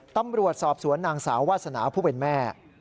ตำรวจสอบสวนนางสาววาสนาผู้เป็นแม่